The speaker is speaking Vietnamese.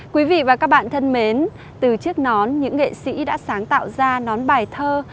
quý vị và các bạn thân mến từ chiếc nón những nghệ sĩ đã sáng tạo ra nón bài thơ